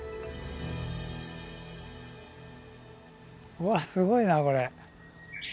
うわっすごいなこれ。